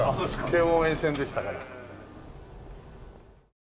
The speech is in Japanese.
京王沿線でしたから。